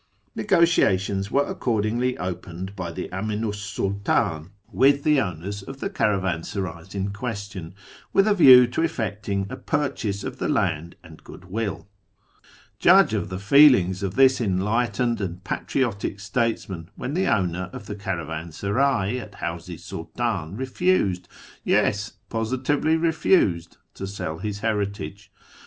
Xegotiatious were accordingly opened by the Aminu 's Sultdn with the owners of the caravansarays in question, with a view to effecting a purchase of the land and "goodwill." Judge of the feelings of this enlightened and patriotic statesman when the owner of the caravansaray at Hawz i Sult:in refused — yes, positively refused — to sell his heritage.